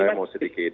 jadi saya mau sedikit